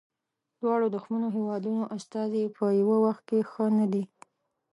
دواړو دښمنو هیوادونو استازي په یوه وخت کې ښه نه دي.